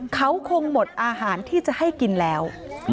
เขาคงหมดอาหารที่จะให้กินแล้ว